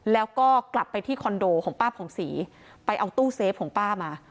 แล้วก็กลับไปที่คอนโดของป้าผ่องศรีไปเอาตู้เซฟของป้ามา